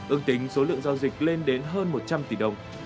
ước tính số lượng giao dịch lên đến hơn một trăm linh tỷ đồng